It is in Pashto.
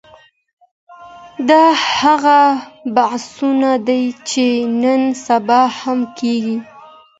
دا هغه بحثونه دي چي نن سبا هم کېږي.